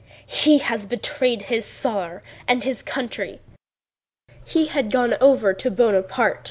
"He has betrayed his Tsar and his country, he has gone over to Bonaparte.